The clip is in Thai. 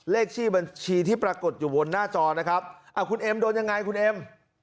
เลขที่บัญชีที่ปรากฏอยู่บนหน้าจอนะครับคุณเอ็มโดนยังไงคุณเอ็ม